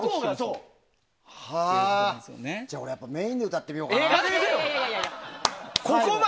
俺、じゃあメインで歌ってみようかな。